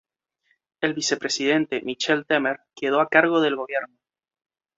El vicepresidente Michel Temer quedó a cargo del gobierno.